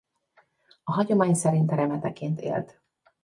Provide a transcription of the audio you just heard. A hagyomány szerint remeteként élt.